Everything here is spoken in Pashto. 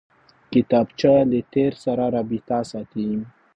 کتابچه له تېر سره رابطه ساتي